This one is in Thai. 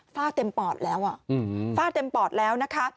เต็มปอดแล้วฝ้าเต็มปอดแล้วนะคะ